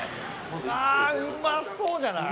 あぁうまそうじゃない？